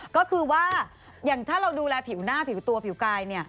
ก็คือว่าอย่างถ้าเราดูแลผิวหน้าผิวตัวผิวกาย